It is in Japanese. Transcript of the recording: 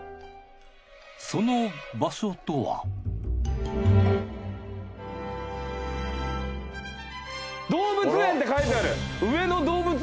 その場所とは動物園って書いてある！